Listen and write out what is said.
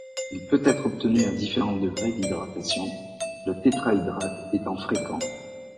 Il peut être obtenu à différents degrés d'hydratation, le tétrahydrate étant fréquent.